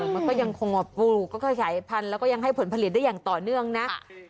มันก็ยังคงมาปลูกก็ขยายพันธุ์แล้วก็ยังให้ผลผลิตได้อย่างต่อเนื่องนะ